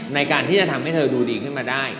ในการที่จะทำให้เธอดูดีขึ้นมาได้